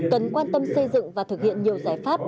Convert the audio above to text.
cần quan tâm xây dựng và thực hiện nhiều giải pháp